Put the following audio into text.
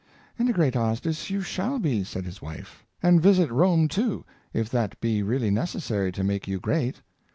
"And a great artist you shall be," said his wife, " and visit Rome, too, if that be really necessary to make you great."